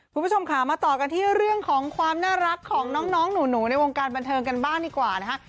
คุณผู้ชมค่ะมาต่อกันที่เรื่องของความน่ารักของน้องหนูในวงการบันเทิงกันบ้างดีกว่านะคะ